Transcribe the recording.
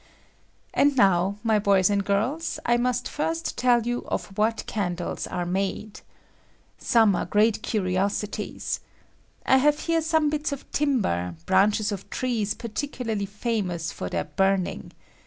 And now, my boys and girls, I must first tell you of what candles are made. Some are great curiosities. I have here some bits of timber, branches of trees particularly famous for their ■e 13 I J CANDLE WOOD. H buming.